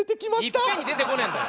いっぺんに出てこねえんだよ。